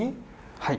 はい。